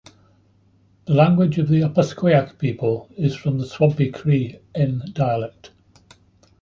The language of the Opaskwayak people is from the Swampy Cree "n"-dialect.